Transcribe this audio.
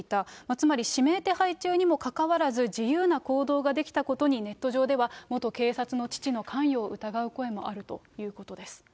つまり指名手配中にもかかわらず、自由な行動ができたことに、ネット上では元警察の父の関与を疑う声もあるということです。